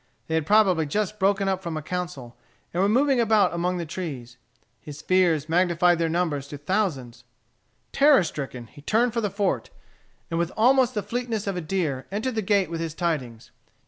They had probably just broken up from a council, and were moving about among the trees. His fears magnified their numbers to thousands. Terror stricken, he turned for the fort, and with almost the fleetness of a deer entered the gate with his tidings.